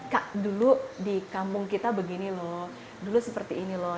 kak dulu di kampung kita begini loh dulu seperti ini loh